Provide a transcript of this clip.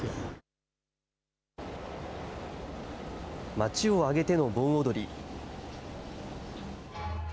町を挙げての盆踊り。